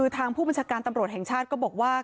ทางผู้บัญชาการตำรวจแห่งชาติก็บอกว่า